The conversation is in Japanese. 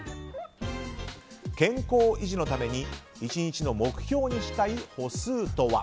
健康維持のためには１日の目標にしたい歩数とは？